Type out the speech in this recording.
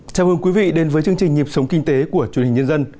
chào mừng quý vị đến với chương trình nhịp sống kinh tế của truyền hình nhân dân